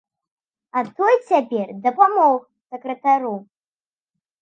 А той цяпер дапамог сакратару.